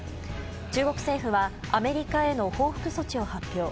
中国政府はアメリカへの報復措置を発表。